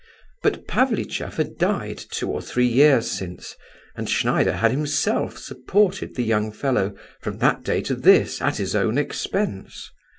But Pavlicheff had died two or three years since, and Schneider had himself supported the young fellow, from that day to this, at his own expense.